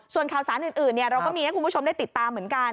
ส่วนข่าวสารอื่นเราก็มีให้คุณผู้ชมได้ติดตามเหมือนกัน